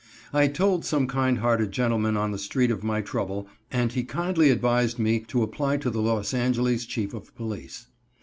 I told some kind hearted gentleman on the street of my trouble, and he kindly advised me to apply to the Los Angeles Chief of Police.